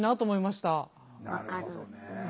なるほどね。